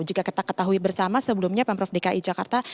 jika kita ketahui bersama sebelumnya pemprov dki jakarta